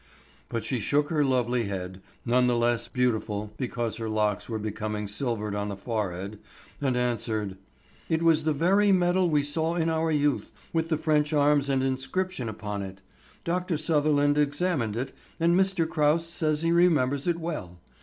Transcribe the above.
But she shook her lovely head, none the less beautiful because her locks were becoming silvered on the forehead, and answered: "It was the very medal we saw in our youth, with the French arms and inscription upon it. Dr. Sutherland examined it, and Mr. Crouse says he remembers it well.